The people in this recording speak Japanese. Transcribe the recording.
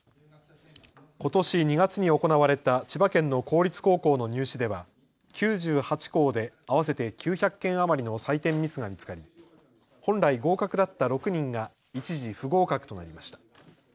ことし２月に行われた千葉県の公立高校の入試では９８校で合わせて９００件余りの採点ミスが見つかり本来合格だった６人が一時、不合格となりました。